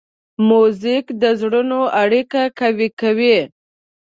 موزیک د زړونو اړیکه قوي کوي.